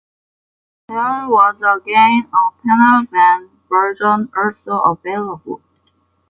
There was again a panel van version also available.